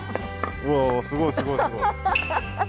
うわすごいすごいすごい。